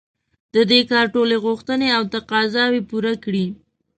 د دې کار ټولې غوښتنې او تقاضاوې پوره کړي.